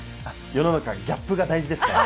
世の中ギャップが大事ですから。